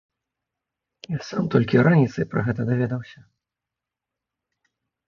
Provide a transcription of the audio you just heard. Я сам толькі раніцай пра гэта даведаўся.